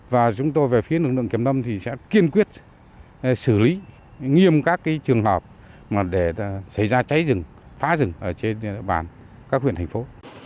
và chúng tôi về phía lực lượng kiểm lâm thì sẽ kiên quyết xử lý nghiêm các trường hợp để xảy ra cháy rừng phá rừng ở trên địa bàn các huyện thành phố